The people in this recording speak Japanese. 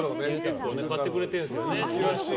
買ってくれてるんですよね。